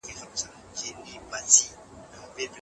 که ميرمني ځانګړي عائد لرل، هغه د ميرمني حق دی.